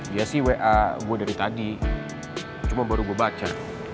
dia sih wa gue dari tadi cuma baru gue baca